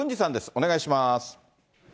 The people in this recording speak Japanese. お願いします。